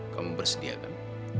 kamu bersedia kan